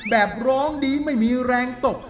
ร้องดีไม่มีแรงตก